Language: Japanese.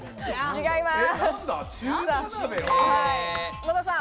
違います。